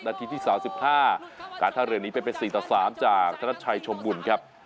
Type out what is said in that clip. นาทีที่สามสิบห้าการท่าเรือนีไปเป็นสี่ต่อสามจากธนัดชายชมบุญครับ